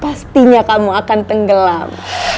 pastinya kamu akan tenggelam